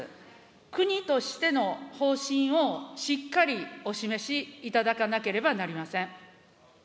国としての方針をしっかりお示しいただかなければなりません。